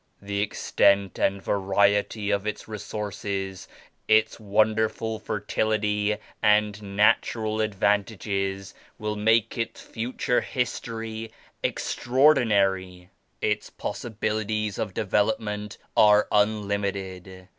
The extent and variety of its resources, its wonderful fer tility and natural advantages will make its fu ture history extraordinary. Its possibilities of development are unlimited.